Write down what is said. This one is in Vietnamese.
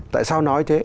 tại sao nói thế